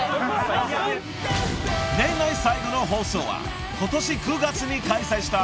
［年内最後の放送はことし９月に開催した］